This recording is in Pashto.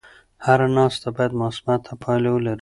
هره ناسته باید مثبته پایله ولري.